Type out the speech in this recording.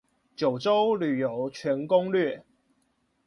九州旅遊全攻略